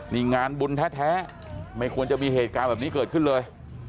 นี่งานบุญแท้ไม่ควรจะมีเหตุการณ์แบบนี้เกิดขึ้นเลย